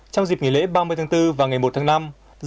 trong dịp nghỉ lễ ba mươi tháng bốn và ngày một tháng năm